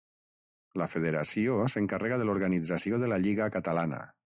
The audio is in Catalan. La Federació s'encarrega de l'organització de la Lliga Catalana.